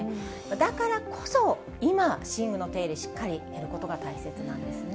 だからこそ、今、寝具の手入れ、しっかりやることが大切なんです